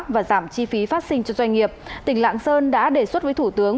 và giảm chi phí phát sinh cho doanh nghiệp tỉnh lạng sơn đã đề xuất với thủ tướng